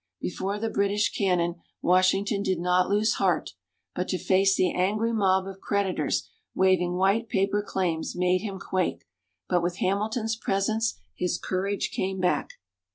Before the British cannon, Washington did not lose heart, but to face the angry mob of creditors waving white paper claims made him quake; but with Hamilton's presence his courage came back.